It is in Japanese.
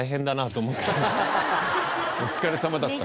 お疲れさまだった。